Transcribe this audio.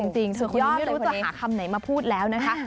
จริงเธอคนนี้ไม่ได้พอนี้ยอบรู้จะหาคำไหนมาพูดแล้วนะคะ